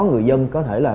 người dân có thể là